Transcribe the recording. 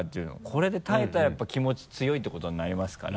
これで耐えたらやっぱ気持ち強いってことになりますから。